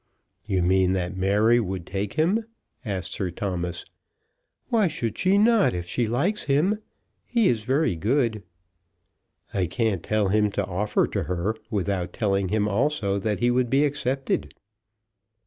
"You mean that Mary would take him?" asked Sir Thomas. "Why should she not, if she likes him? He is very good." "I can't tell him to offer to her, without telling him also that he would be accepted."